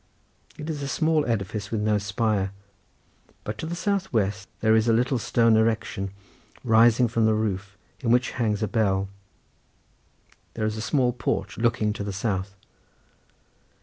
It is a small edifice with no spire, but to the south west there is a little stone erection rising from the roof, in which hangs a bell—there is a small porch looking to the south.